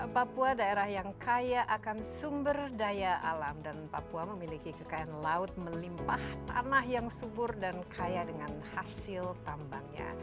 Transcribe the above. papua daerah yang kaya akan sumber daya alam dan papua memiliki kekayaan laut melimpah tanah yang subur dan kaya dengan hasil tambangnya